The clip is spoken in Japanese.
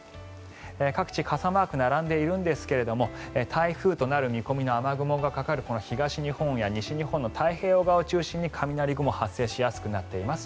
各地傘マークが並んでいるんですが台風となる見込みの雨雲がかかる東日本や西日本の太平洋側を中心に雷雲が発生しやすくなっています。